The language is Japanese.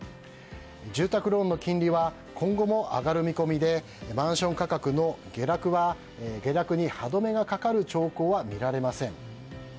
住宅ローンの金利は今後も上がる見込みでマンション価格の下落に歯止めがかかる兆候は見られません。